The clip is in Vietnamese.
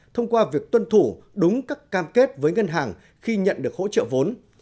thông qua việc tuân thủ đúng các cam kết với ngân hàng khi nhận được hỗ trợ vốn